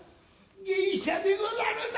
芸者でござるな。